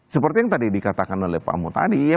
seperti yang tadi dikatakan oleh pak amo tadi